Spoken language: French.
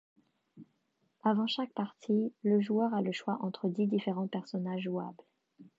Avant chaque partie, le joueur a le choix entre dix différents personnages jouables.